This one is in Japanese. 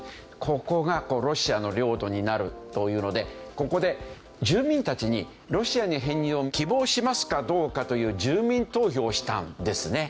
ここがロシアの領土になるというのでここで住民たちにロシアに編入を希望しますかどうかという住民投票をしたんですね。